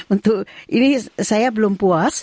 untuk ini saya belum puas